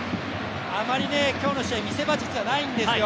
あまり今日の試合、見せ場が実はないんですよ。